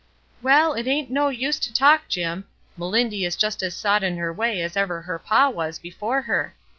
"Well, it ain't no use to talk, Jim. Melindy is just as sot in her way as ever her paw was before her.